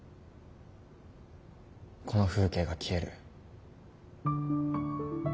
この風景が消える。